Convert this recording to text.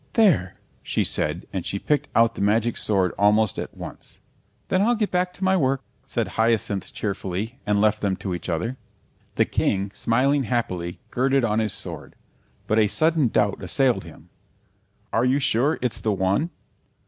"There!" she said, and she picked out the magic sword almost at once. [Illustration: "Try it on me," cried the Countess] "Then I'll get back to my work," said Hyacinth cheerfully, and left them to each other. The King, smiling happily, girded on his sword. But a sudden doubt assailed him. "Are you sure it's the one?"